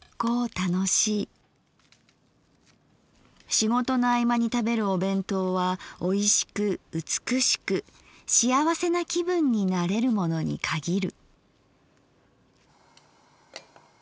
仕事の合間に食べるお弁当は美味しく美しくしあわせな気分になれるものに限る」。